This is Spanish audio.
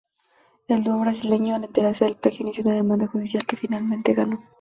El dúo brasileño, al enterarse del plagio, inició una demanda judicial, que finalmente ganó.